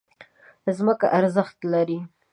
ځمکه ارزښت لري.